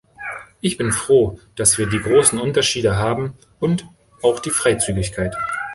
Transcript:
Ich bin froh, dass wir die großen Unterschiede haben und auch die Freizügigkeit.